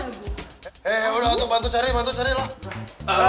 hei udah waktu bantu cari bantu cari loh